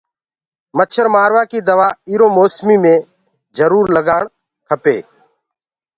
مڇآ مآروآ ڪي دوآ اُرو موسمو مي جروُر لگآڻ ڪپينٚ۔